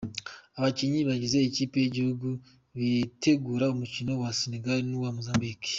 Abakinnyi bagize ikipe y’igihugu bitegura umukino wa Senegal n’uwa Mozambique:.